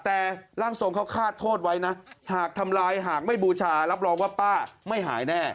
แต่ร่างทรงเขาคาดโทษไว้นะหากทำลายหากไม่บูชารับรองว่าป้าไม่หายแน่